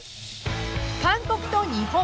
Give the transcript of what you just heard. ［韓国と日本］